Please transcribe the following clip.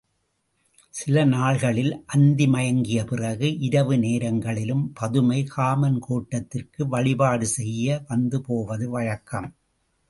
சில நாள்களில் அந்தி மயங்கிய பிறகு, இரவு நேரங்களிலும் பதுமை காமன் கோட்டத்திற்கு வழிபாடு செய்ய வந்துபோவது வழக்கம்.